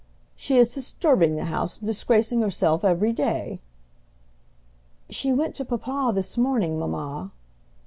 "She is disturbing the house and disgracing herself every day." "She went to papa this morning, mamma."